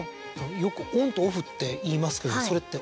よくオンとオフって言いますけどそれって。